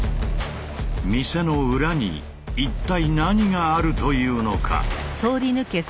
店の裏に一体何があるというのか？